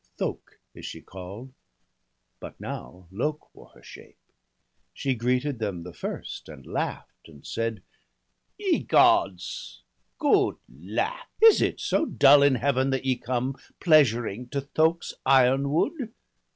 Thok is she call'd, but now Lok wore her shape; She greeted them the first, and laugh'd, and said: — *Ye Gods, good lack, is it so dull in Heaven, That ye come pleasuring to Thok's iron wood.?